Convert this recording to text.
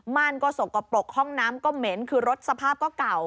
ก็สกปรกห้องน้ำก็เหม็นคือรถสภาพก็เก่า